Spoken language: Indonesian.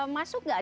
masuk nggak pak